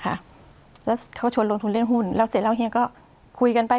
ค่ะแล้วเขาชวนลงทุนเล่นหุ้นแล้วเสร็จแล้วเฮียก็คุยกันไป